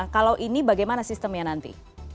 kalau ini bagaimana sistemnya nanti